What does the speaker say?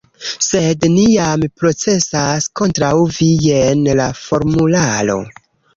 sed ni jam procesas kontraŭ vi, jen la formularo.